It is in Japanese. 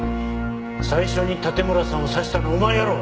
最初に盾村さんを刺したのはお前やろう！